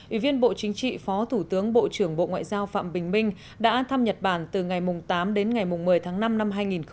ủy viên bộ chính trị phó thủ tướng bộ trưởng bộ ngoại giao phạm bình minh đã thăm nhật bản từ ngày tám đến ngày một mươi tháng năm năm hai nghìn một mươi chín